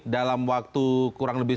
dalam waktu kurang lebih